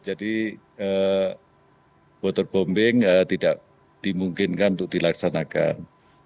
waterbombing tidak dimungkinkan untuk dilaksanakan